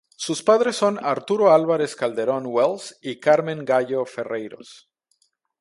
Sus padres son Arturo Álvarez-Calderón Wells y Carmen Gallo Ferreyros.